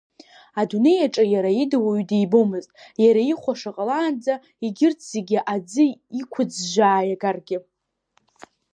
Адунеи аҿы иара ида уаҩ дибомызт, иара ихәаша ҟалаанӡа егьырҭ зегьы аӡы иқәыӡәӡәаа иагаргьы.